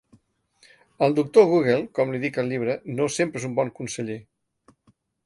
El «Doctor Google», com li dic al llibre, no sempre és un bon conseller.